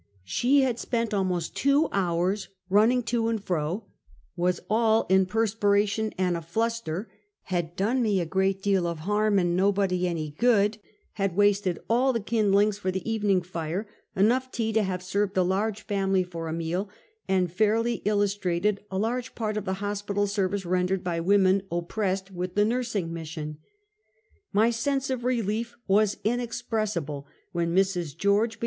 She had spent almost two hours running to and fro, was all in perspiration and a fluster, had done me a great deal of harm and nobody any good, had wasted all the kindlings for the evening fire, enough tea to have served a large family for a meal, and fairly illus trated a large part of the hospital service rendered by women oppressed with the nursing mission. My sense of relief was inexpressible when Mrs. George B.